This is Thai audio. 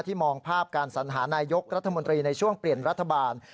มองภาพการสัญหานายกรัฐมนตรีในช่วงเปลี่ยนรัฐบาล